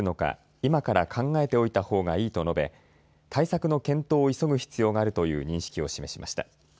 今から考えておいたほうがいいと述べ対策の検討を急ぐ必要があるという認識を示しました。